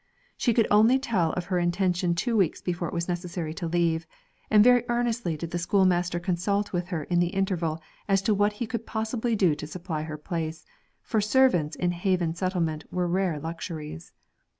She could only tell of her intention two weeks before it was necessary to leave; and very earnestly did the schoolmaster consult with her in the interval as to what he could possibly do to supply her place, for servants in Haven Settlement were rare luxuries.